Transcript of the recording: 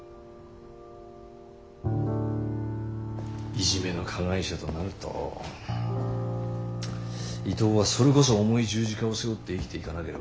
いじめの加害者となると伊藤はそれこそ重い十字架を背負って生きていかなければならない。